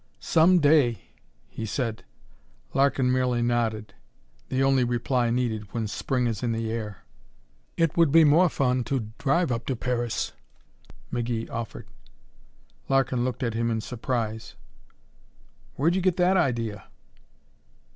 "Some day!" he said. Larkin merely nodded the only reply needed when Spring is in the air. "It would be more fun to drive up to Paris," McGee offered. Larkin looked at him in surprise. "Where'd you get that idea?"